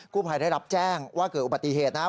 ผู้ภัยได้รับแจ้งว่าเกิดอุบัติเหตุนะครับ